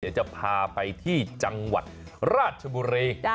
เดี๋ยวจะพาไปที่จังหวัดราชบุรี